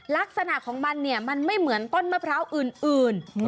ลักษณะของมันเนี่ยมันไม่เหมือนต้นมะพร้าวอื่น